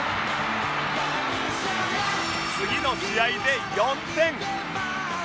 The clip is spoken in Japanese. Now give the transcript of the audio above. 次の試合で４点